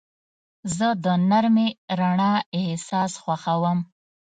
زه د نرمې رڼا احساس خوښوم.